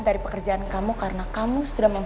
dari pekerjaan kamu karena kamu sudah